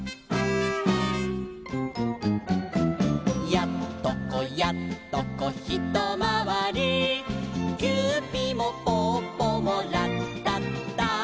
「やっとこやっとこひとまわり」「キューピもぽっぽもラッタッタ」